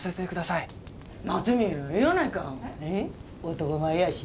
男前やし。